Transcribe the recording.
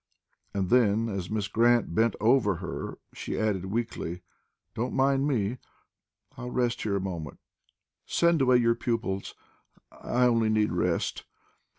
And then, as Miss Grant bent over her, she added weakly: "Don't mind me. I I'll rest here a moment. Send away your pupils; I only need rest."